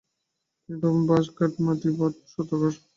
এখানে পাবেন বাঁশ, কাঠ, মাটি, পাট, সুতা, ঘাসের তৈরি নানা হস্তশিল্প।